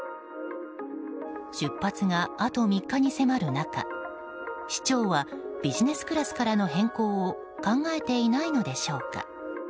出発があと３日に迫る中市長は、ビジネスクラスからの変更を考えていないのでしょうか。